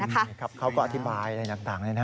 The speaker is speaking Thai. เขาก็อธิบายในหลักต่าง